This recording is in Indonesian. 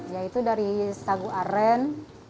ya itu dari sagu aren